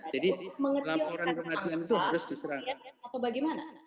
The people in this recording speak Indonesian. jadi laporan kematian itu harus diseragamkan